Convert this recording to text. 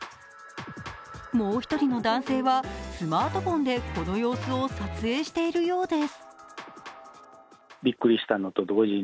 もう一人の男性はスマートフォンでその様子を撮影しているようです。